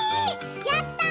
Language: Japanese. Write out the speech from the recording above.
やったぁ！